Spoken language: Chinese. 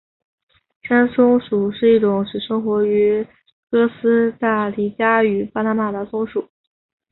山松鼠是一种只生活于哥斯大黎加与巴拿马的松鼠。